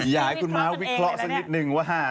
อยากให้คุณม้าวิเคราะห์สักนิดนึงว่า